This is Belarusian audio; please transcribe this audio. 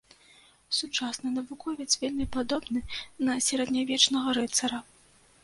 Сучасны навуковец вельмі падобны на сярэднявечнага рыцара.